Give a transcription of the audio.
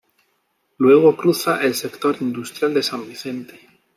Luego cruza el sector industrial de San Vicente.